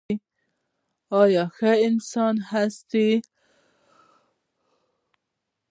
ایا ښه انسان یاست؟